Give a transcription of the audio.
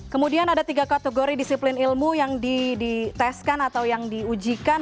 kemudian ada tiga kategori disiplin ilmu yang diteskan atau yang diujikan